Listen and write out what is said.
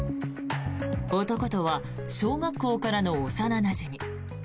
男とは小学校からの幼なじみ。